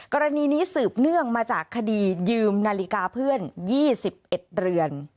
กรณีนี้สืบเนื่องมาจากคดียืมนาฬิกาเพื่อน๒๑เรือน